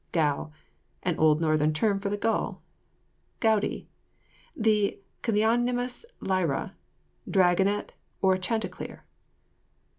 GOW. An old northern term for the gull. GOWDIE. The Callionymus lyra, dragonet, or chanticleer.